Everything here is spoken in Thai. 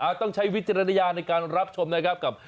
อ่ะต้องใช้วิจารณญาในการรับชมนะครับ